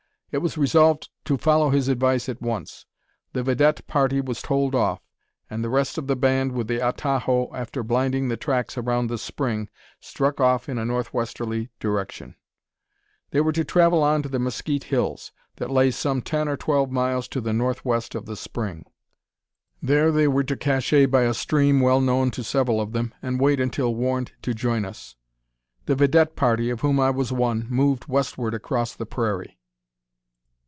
It was resolved to follow his advice at once. The vidette party was told off; and the rest of the band, with the atajo, after blinding the tracks around the spring, struck off in a north westerly direction. They were to travel on to the Mezquite Hills, that lay some ten or twelve miles to the north west of the spring. There they were to "cacher" by a stream well known to several of them, and wait until warned to join us. The vidette party, of whom I was one, moved westward across the prairie.